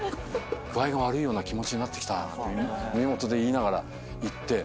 具合が悪いような気持ちになってきた耳元で言いながら行って。